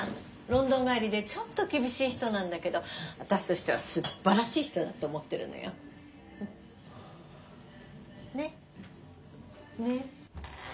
ロンドン帰りでちょっと厳しい人なんだけど私としてはすっばらしい人だと思ってるのよ。ね？ね？